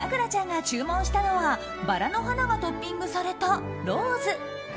そして咲楽ちゃんが注文したのはバラの花がトッピングされたローズ。